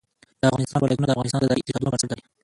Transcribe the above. د افغانستان ولايتونه د افغانستان د ځایي اقتصادونو بنسټ دی.